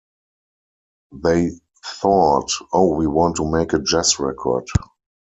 They thought, 'Oh, we want to make a jazz record'.